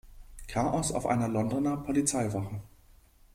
Chaos auf einer Londoner Polizeiwache.